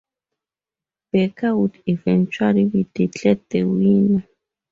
Baker would eventually be declared the winner.